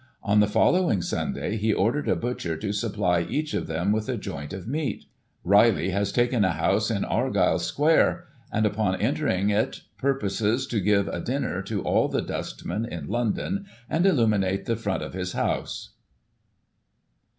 On the following Simday, he ordered a butcher to supply each of them with a joint of meat Riley has taken a house in Argyle 18 Digiti ized by Google 274 GOSSIP. [1845 Square ; and, upon entering it, purposes to give a dinner to all the dustmen in London, and illuminate the front of his house."